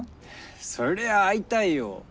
そりゃ会いたいよ。